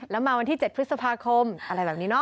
แล้วมาวันที่๗พฤษภาคมอะไรแบบนี้เนาะ